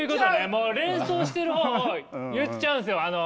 もう連想してる方を言っちゃうんですよ！